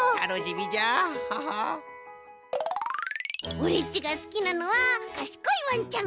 オレっちがすきなのはかしこいわんちゃん。